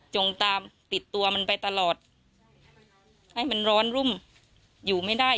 จงตามติดตัวมันไปตลอดให้มันร้อนรุ่มอยู่ไม่ได้